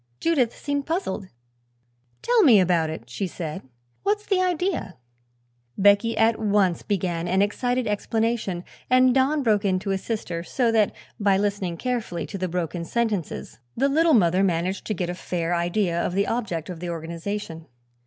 Judith seemed puzzled. "Tell me about it," she said. "What's the idea?" Becky at once began an excited explanation and Don broke in to assist her, so that by listening carefully to the broken sentences the Little Mother managed to get a fair idea of the object of the organization.